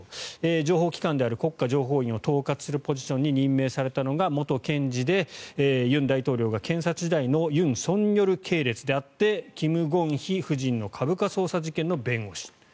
情報機関である国家情報院を統括するポジションに任命されたのが元検事で尹大統領が検察時代の尹錫悦系列であってキム・ゴンヒ夫人の株価操作事件の弁護士。